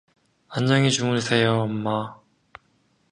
안녕히 주무세요, 엄마.